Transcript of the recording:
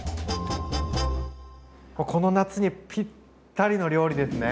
この夏にぴったりの料理ですね。